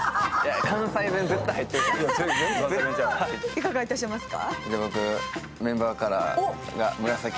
いかがいたしますか？